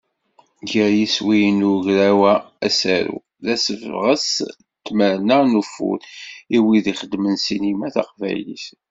Gar yiswiyen n ugraw-a Asaru, d asebɣes d tmerna n ufud i wid ixeddmen ssinima taqbaylit.